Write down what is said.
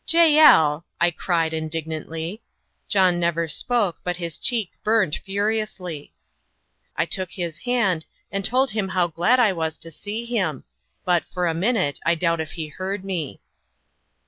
"Jael!" I cried, indignantly. John never spoke, but his cheek burnt furiously. I took his hand, and told him how glad I was to see him but, for a minute, I doubt if he heard me.